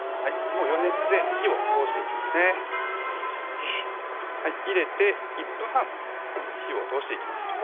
もう余熱で火を通していきますねえっ入れて１分半火を通していきます